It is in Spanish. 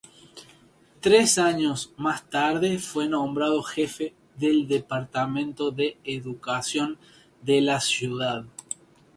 Tres años más tarde fue nombrado jefe del departamento de educación de la ciudad.